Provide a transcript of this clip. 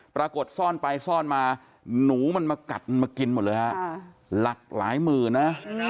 ปรากฏซ่อนไปซ่อนมาหนูมันมากัดมันมากินหมดเลยฮะหลากหลายหมื่นนะ